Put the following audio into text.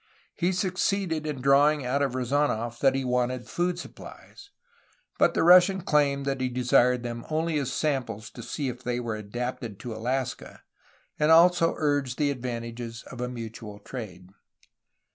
He succeeded in drawing out of Rezdnof that he wanted food supplies, but the Rus sian claimed that he desired them only as samples to see if they were adapted to Alaska, and also argued the advantages of a mutual trade.